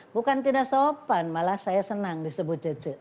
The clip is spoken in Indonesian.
bukan tidak sopan malah saya senang disebut cece